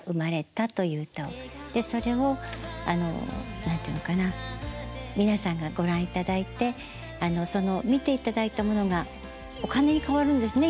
でそれを何て言うのかな皆さんがご覧いただいてその見ていただいたものがお金にかわるんですね